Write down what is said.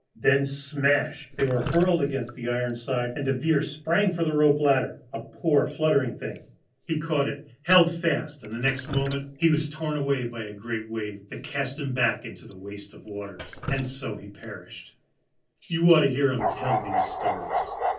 Then smash they were hurled against the iron side, and Devere sprang for the rope ladder a poor, fluttering thing. He caught it, held fast, and the next moment was torn away by a great wave that cast him back into the waste of waters. And so he perished. You ought to hear them tell these stories!